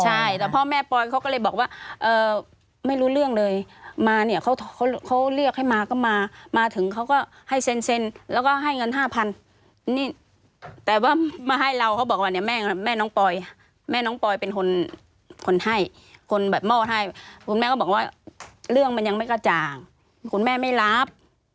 ใช่แต่พ่อแม่ปอยเขาก็เลยบอกว่าไม่รู้เรื่องเลยมาเนี่ยเขาเรียกให้มาก็มามาถึงเขาก็ให้เซ็นแล้วก็ให้เงินห้าพันนี่แต่ว่ามาให้เราเขาบอกว่าเนี่ยแม่น้องปอยแม่น้องปอยเป็นคนให้คนแบบมอบให้คุณแม่ก็บอกว่าเรื่องมันยังไม่กระจ่างคุณแม่ไม่รับ